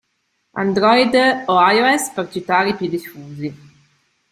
Android o iOS per citare i più diffusi.